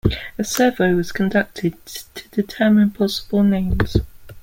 A survey was conducted to determine possible names.